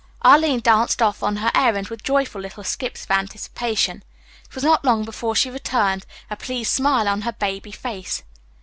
Arline danced off on her errand with joyful little skips of anticipation. It was not long before she returned, a pleased smile on her baby face.